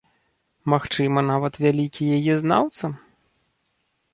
Магчыма, нават вялікі яе знаўца?